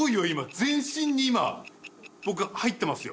全身に今僕入ってますよ。